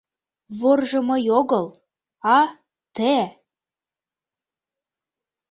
— Воржо мый огыл, а — те!